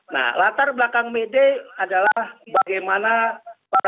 nah latar belakang may day adalah bagaimana para buruh